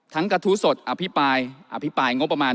ทั้งกระทู้สดอภิปราย